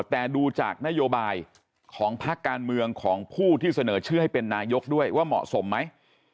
แต่ดูจากนโยบายของพักการเมืองของผู้ที่เสนอชื่อให้เป็นนายกด้วยว่าเหมาะสมไหม